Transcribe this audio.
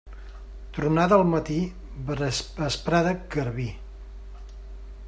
Tronada al matí, vesprada, garbí.